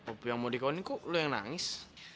opi yang mau dikawinin kok lu yang nangis